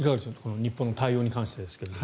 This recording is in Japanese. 日本の対応に関してですが。